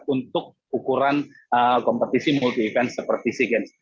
untuk ukuran kompetisi multi event seperti sea games